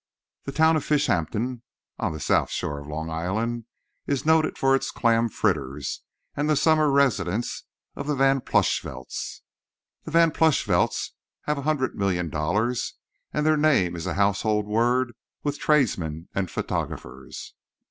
The town of Fishampton, on the south shore of Long Island, is noted for its clam fritters and the summer residence of the Van Plushvelts. The Van Plushvelts have a hundred million dollars, and their name is a household word with tradesmen and photographers.